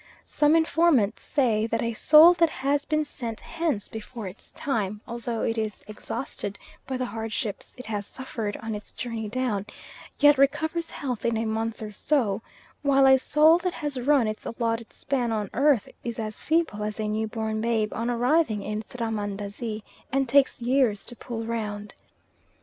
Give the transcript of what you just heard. Some informants say that a soul that has been sent hence before its time, although it is exhausted by the hardships it has suffered on its journey down, yet recovers health in a month or so; while a soul that has run its allotted span on earth is as feeble as a new born babe on arriving in Srahmandazi, and takes years to pull round.